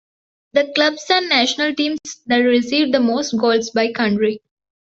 The Clubs and national teams That received the most goals by country.